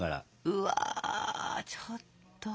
うわちょっと。